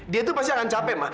dia tuh pasti akan capek ma